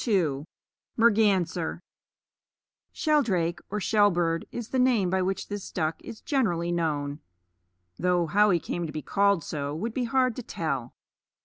Shelldrake, or shellbird, is the name by which this duck is generally known, though how he came to be called so would be hard to tell.